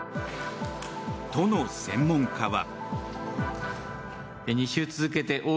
都の専門家は。